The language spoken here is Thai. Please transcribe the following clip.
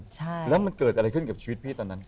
ใช่แล้วมันเกิดอะไรขึ้นกับชีวิตพี่ตอนนั้น